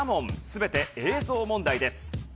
全て映像問題です。